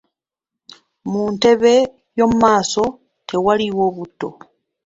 Mu ntebe eyomu maaso tewaaliwo buto.